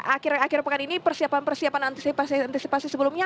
akhir akhir pekan ini persiapan persiapan antisipasi antisipasi sebelumnya